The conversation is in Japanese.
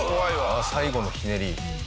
あの最後のひねり。